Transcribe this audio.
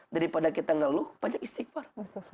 daripada kita ngeluh banyak istighfar